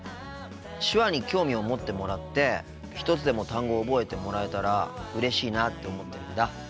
手話に興味を持ってもらって一つでも単語を覚えてもらえたらうれしいなって思ってるんだ。